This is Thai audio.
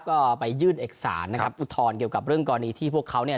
ก็ไปยื่นเอกสารนะครับอุทธรณ์เกี่ยวกับเรื่องกรณีที่พวกเขาเนี่ย